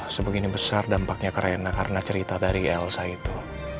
sebegini besar dampaknya karena cerita dari elsa itu